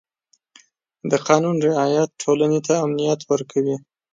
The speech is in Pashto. د قانون رعایت ټولنې ته امنیت ورکوي.